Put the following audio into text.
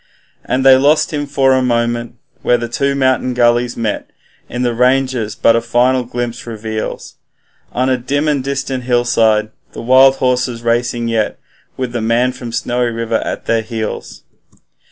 Then they lost him for a moment, where two mountain gullies met In the ranges, but a final glimpse reveals On a dim and distant hillside the wild horses racing yet, With the man from Snowy River at their heels.